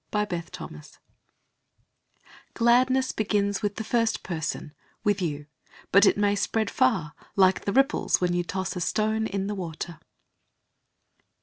THE GLAD SONG Gladness begins with the first person, with you. But it may spread far, like the ripples when you toss a stone in the water.